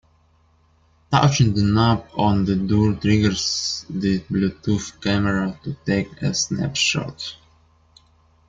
Touching the knob of the door triggers this Bluetooth camera to take a snapshot.